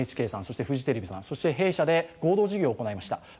ＮＨＫさんそしてフジテレビさんそして弊社で合同授業を行いました。